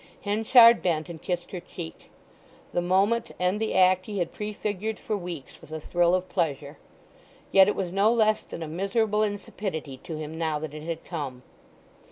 Henchard bent and kissed her cheek. The moment and the act he had prefigured for weeks with a thrill of pleasure; yet it was no less than a miserable insipidity to him now that it had come.